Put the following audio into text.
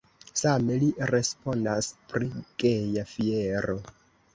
Same li respondas pri Geja Fiero.